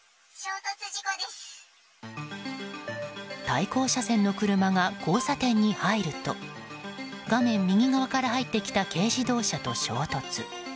対向車線の車が交差点に入ると画面右側から入ってきた軽自動車と衝突。